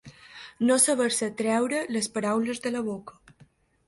No saber-se treure les paraules de la boca.